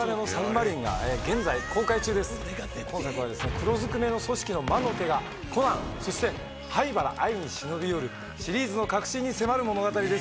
今作は黒ずくめの組織の魔の手がコナンそして灰原哀に忍び寄るシリーズの核心に迫る物語です。